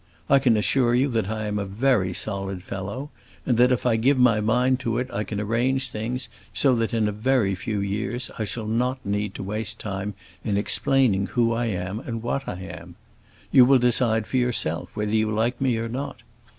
I can assure you that I am a very solid fellow, and that if I give my mind to it I can arrange things so that in a very few years I shall not need to waste time in explaining who I am and what I am. You will decide for yourself whether you like me or not.